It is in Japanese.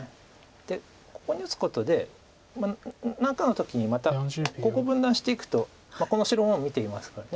でここに打つことで何かの時にまたここを分断していくとこの白も見ていますから。